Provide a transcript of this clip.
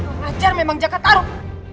lelajar memang jakartaruk